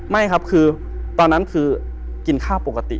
ไม่ครับคือตอนนั้นคือกินข้าวปกติ